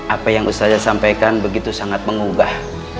apa yang saya sampaikan begitu sangat mengubah